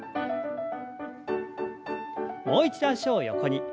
もう一度脚を横に。